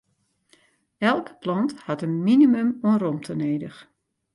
Elke plant hat in minimum oan romte nedich.